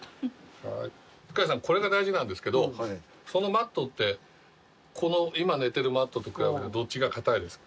塚地さんこれが大事なんですけどそのマットってこの今寝てるマットと比べてどっちが硬いですか？